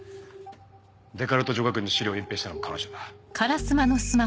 デカルト女学院の資料を隠蔽したのも彼女だ。